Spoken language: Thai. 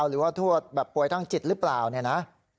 หรือว่าทวดแบบป่วยทางจิตหรือเปล่าเนี่ยนะ